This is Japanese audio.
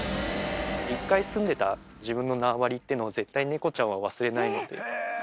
一回住んでた自分の縄張りっていうのを、絶対猫ちゃんは忘れないので。